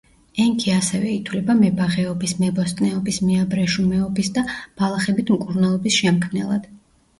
ენქი ასევე ითვლება მებაღეობის, მებოსტნეობის, მეაბრეშუმეობის და ბალახებით მკურნალობის შემქმნელად.